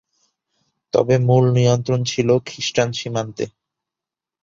তবে মূল নিয়ন্ত্রণ ছিল খ্রিষ্টান সীমান্তে।